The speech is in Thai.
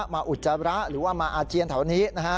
มาอุจจาระหรือว่ามาอาเจียนเท่านี้